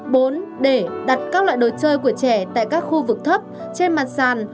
bốn để đặt các loại đồ chơi của trẻ tại các khu vực thấp trên mặt sàn